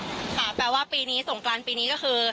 คุณศูนย์แบบแปลว่าปีนี้สงการปีนี้ก็คือ